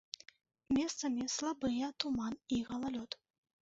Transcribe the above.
Месцамі слабыя туман і галалёд.